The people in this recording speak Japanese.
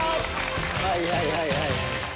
はいはいはいはい。